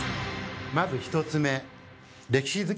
まず１つ目。